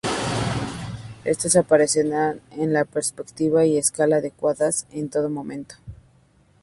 Estos aparecerán con la perspectiva y escala adecuadas en todo momento.